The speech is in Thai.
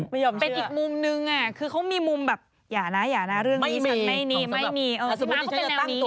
ไม่ยอมเชื่อคือเขามีมุมแบบอย่านะอย่านะเรื่องนี้ฉันไม่มีไม่มี